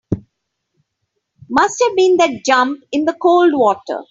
Must have been that jump in the cold water.